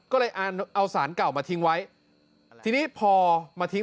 ก็เลยเอาสารเก่ามาทิ้งไว้ทีนี้พอมาทิ้ง